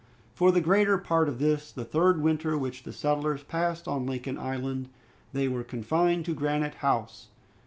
For the greater part of this, the third winter which the settlers passed in Lincoln Island, they were confined to Granite House.